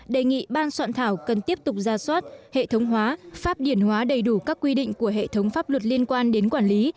đề nghị ban soạn thảo cần tiếp tục ra soát hệ thống hóa pháp điển hóa đầy đủ các quy định của hệ thống pháp luật liên quan đến quản lý